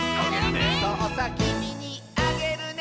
「そうさきみにあげるね」